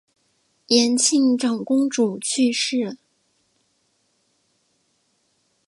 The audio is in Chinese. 延庆长公主去世。